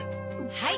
はい！